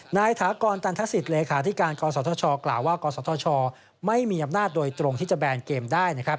นายฐากรตันทศิษย์เลขาธิการกรสอทชกล่าวว่ากรสอทชไม่มีอำนาจโดยตรงที่จะแบนเกมได้